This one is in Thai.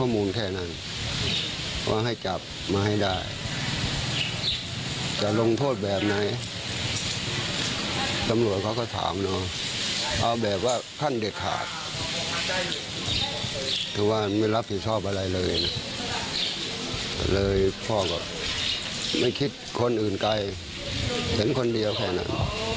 ไม่คิดคนอื่นใกล้เห็นคนเดียวแค่นั้น